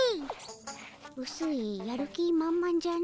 うすいやる気満々じゃの。